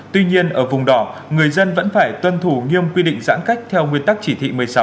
tuy nhiên ở vùng đỏ người dân vẫn phải tuân thủ nghiêm quy định giãn cách theo nguyên tắc chỉ thị một mươi sáu